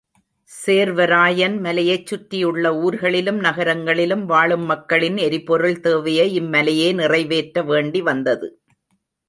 சேர்வராயன் மலையைச் சுற்றியுள்ள ஊர்களிலும் நகரங்களிலும் வாழும் மக்களின் எரிபொருள் தேவையை இம்மலையே நிறைவேற்ற வேண்டிவந்தது.